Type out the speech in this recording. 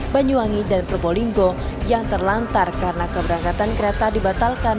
banyuwangi dan probolinggo yang terlantar karena keberangkatan kereta dibatalkan